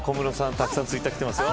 たくさんツイッターきてますよ。